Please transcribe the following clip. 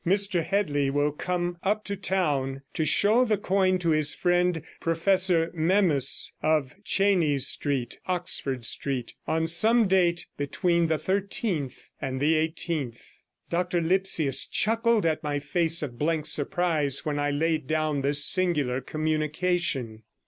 Mr Headley will come up to town to show the coin to his friend, Professor Memys, of Chenies Street, Oxford Street, on some date between the 13th and the 18th. Dr Lipsius chuckled at my face of blank surprise when I laid down this singular communication.